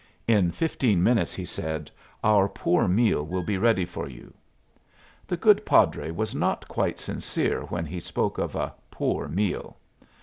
"In fifteen minutes," he said, "our poor meal will be ready for you." The good padre was not quite sincere when he spoke of a poor meal.